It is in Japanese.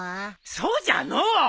そうじゃのう！